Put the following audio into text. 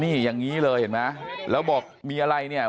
นี่อย่างนี้เลยเห็นไหมแล้วบอกมีอะไรเนี่ย